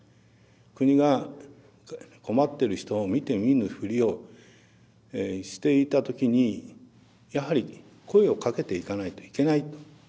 国が困ってる人を見て見ぬふりをしていた時にやはり声をかけていかないといけないと。